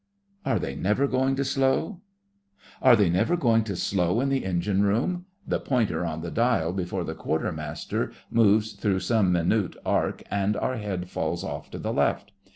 ARE THEY NEVER GOING TO SLOW? Are they never going to slow in the engine room? The pointer on the dial before the Quartermaster moves through some minute arc, and our head falls off to the left.